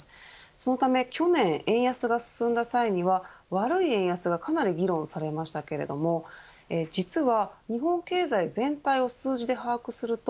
そのため去年円安が進んだ際には悪い円安がかなり議論されましたけれども実は、日本経済全体を数字で把握すると